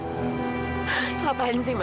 kenapa sih man